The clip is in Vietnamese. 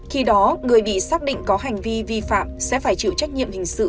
khi đó người bị xác định có hành vi vi phạm sẽ phải chịu trách nhiệm hình sự